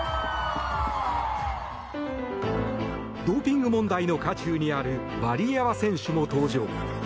ドーピング問題の渦中にあるワリエワ選手も登場。